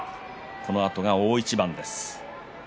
このあとは大一番です。